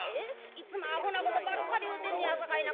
いつもアホなことなばっかり言うてんねやさかいな。